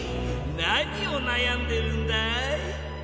何をなやんでるんだい？